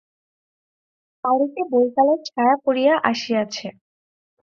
বাড়িতে বৈকালের ছায়া পড়িয়া আসিয়াছে।